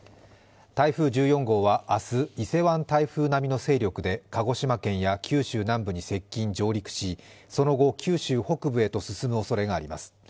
台風１４号は明日、伊勢湾台風並みの勢力で鹿児島県や九州南部に接近・上陸し、その後、九州北部へと進むおそれがあります。